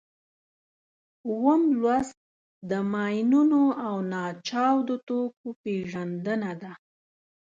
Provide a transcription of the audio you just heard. اووم لوست د ماینونو او ناچاودو توکو پېژندنه ده.